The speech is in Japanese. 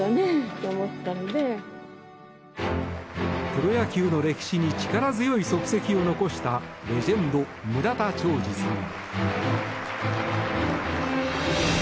プロ野球の歴史に力強い足跡を残したレジェンド、村田兆治さん。